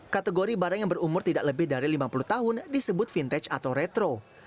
kategori barang yang berumur tidak lebih dari lima puluh tahun disebut vintage atau retro